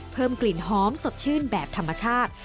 เพิ่มกลิ่นหอมสดชื่นแบบธรรมชาติ